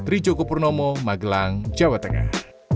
rijo kopurnomo magelang jawa tengah